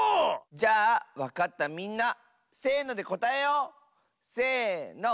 じゃあわかったみんなせのでこたえよう！せの。